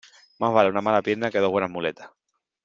Más vale una mala pierna que dos buenas muletas.